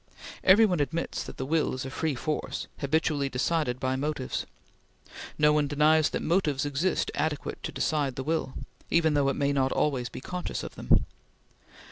Every one admits that the will is a free force, habitually decided by motives. No one denies that motives exist adequate to decide the will; even though it may not always be conscious of them.